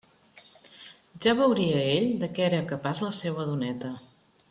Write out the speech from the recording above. Ja veuria ell de què era capaç la seua doneta.